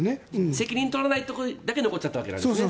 責任を取らないところだけ残っちゃったわけですね。